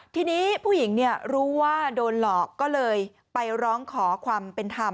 ทีนี้ผู้หญิงรู้ว่าโดนหลอกก็เลยไปร้องขอความเป็นธรรม